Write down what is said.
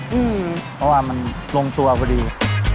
เพราะว่ามันลงตัวพอดี